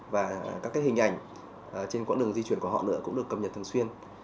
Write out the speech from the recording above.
và các hình ảnh trên quãng đường di chuyển của họ nữa cũng được cập nhật thường xuyên